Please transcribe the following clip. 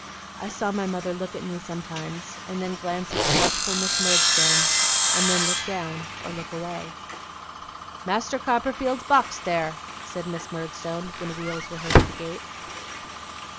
I saw my mother look at me sometimes, and then glance at the watchful Miss Murdstone, and than look down, or look away. 'Master Copperfield's box there!' said Miss Murdstone, when wheels were heard at the gate.